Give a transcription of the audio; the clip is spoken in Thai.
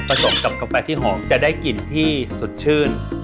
สมกับกาแฟที่หอมจะได้กลิ่นที่สุดชื่น